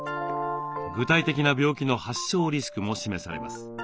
具体的な病気の発症リスクも示されます。